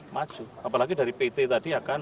maju apalagi dari pt tadi akan